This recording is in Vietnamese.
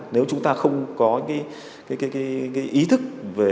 nếu chúng ta không có ý thức